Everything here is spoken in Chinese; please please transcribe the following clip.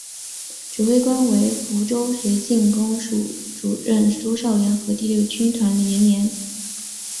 指挥官为福州绥靖公署主任朱绍良和第六兵团司令李延年。